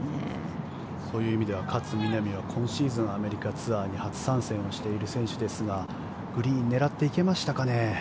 そういう意味では勝みなみは今シーズン、アメリカツアーに初参戦している選手ですがグリーン狙っていけましたかね。